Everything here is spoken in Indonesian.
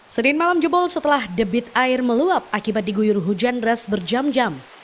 senin malam jebol setelah debit air meluap akibat diguyur hujan deras berjam jam